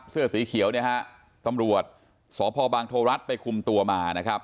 เสื้อสีเขียวเนี่ยฮะตำรวจสพบางโทรัฐไปคุมตัวมานะครับ